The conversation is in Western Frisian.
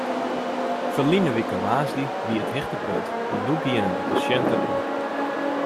Ferline wike woansdei wie it hichtepunt want doe gienen de pasjinten oer.